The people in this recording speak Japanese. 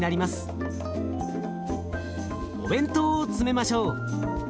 お弁当を詰めましょう。